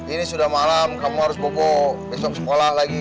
ini sudah malam kamu harus pokok besok sekolah lagi